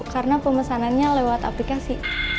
karena pemesanannya lewat aplikasi